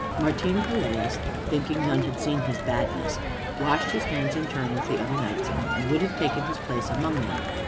Martin Pelaez, thinking none had seen his badness, washed his hands in turn with the other knights, and would have taken his place among them.